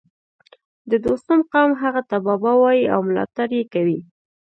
د دوستم قوم هغه ته بابا وايي او ملاتړ یې کوي